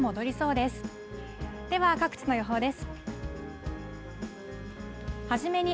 では各地の予報です。